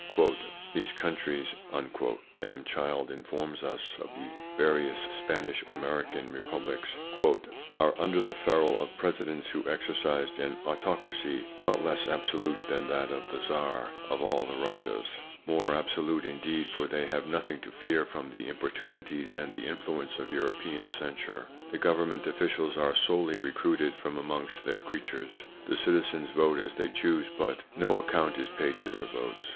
" These countries," M. Child informs us of the various Spanish American republics, " are under the ferule of Presidents who exercise an autocracy not less absolute than that of the Tzar of ITS INFLUENCE ON THEIR EVOLUTION 151 all the Russias ; more absolute, indeed, for they have nothing to fear from the importunities and the influence of European censure. The Government officials are solely recruited from amongst their creatures ;... the citizens vote as they choose, but no account is paid to their votes.